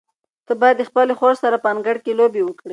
ته باید د خپلې خور سره په انګړ کې لوبې وکړې.